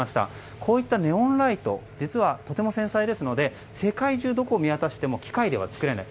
こういったネオンライト実はとても繊細ですので世界中どこを見渡しても機械では作れない。